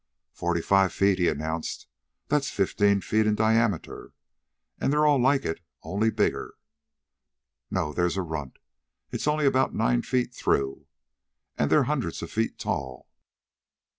"Forty five feet," he announced. "That's fifteen in diameter. And they're all like it only bigger. No; there's a runt. It's only about nine feet through. An' they're hundreds of feet tall."